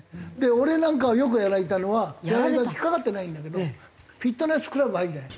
俺なんかはよくやられたのは引っかかってないんだけどフィットネスクラブ入るじゃない？